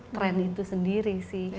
tren itu sendiri